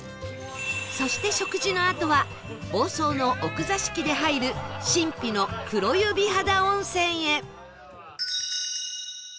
そして食事のあとは房総の奥座敷で入る神秘の黒湯美肌温泉へ